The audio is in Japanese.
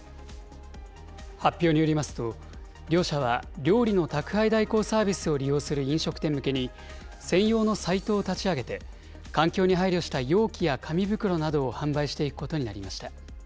発表によりますと、両社は料理の宅配代行サービスを利用する飲食店向けに、専用のサイトを立ち上げて、環境に配慮した容器や紙袋などを販売していくことになりました。